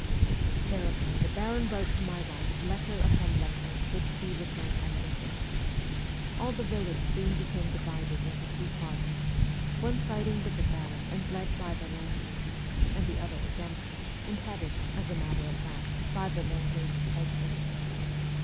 Thereupon the baron wrote to my wife letter upon letter, which she returned unopened. All the village soon became divided into two parties one siding with the baron and led by the landlady, and the other against him, and headed, as a matter of fact, by the landlady's husband.